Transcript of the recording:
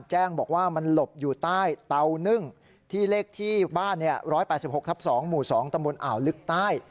แจ้งบอกว่ามันหลบอยู่ใต้เตานึ่งที่เลขที่บ้าน๑๘๖ทับ๒หมู่๒ตำบลอ่าวลึกใต้